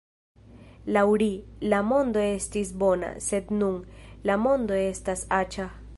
Laŭ ri, la mondo estis bona, sed nun, la mondo estas aĉa.